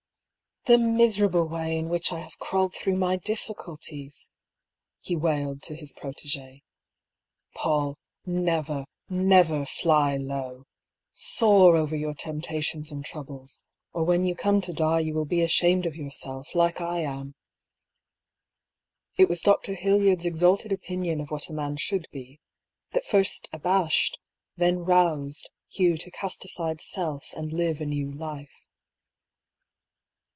"The miserable way in which I have crawled through my difficulties!" he wailed to his protege. PauU, never, never, fly low ! Soar over your tempta tions and troubles, or when you come to die you will be ashamed of yourself, like I am !" It was Dr. Hildyard's exalted opinion of what a man should be, that first abashed, then roused, Hugh to cast aside self and live a new life.